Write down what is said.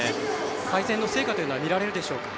改善の成果というのは見られるでしょうか。